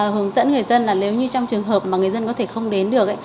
hướng dẫn người dân là nếu như trong trường hợp mà người dân có thể không đến được